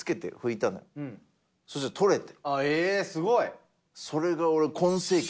すごい。それが俺。